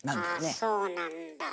あそうなんだ。